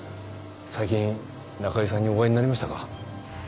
最近中井さんにお会いになりましたか？